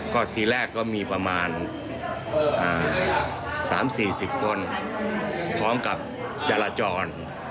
ก็ทีแรกก็มีประมาณ๓๔๐คนพร้อมกับจราจร